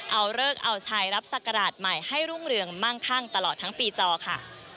เอาเลิกเอาชัยรับศักราชใหม่ให้รุ่งเรืองมั่งคั่งตลอดทั้งปีจอค่ะ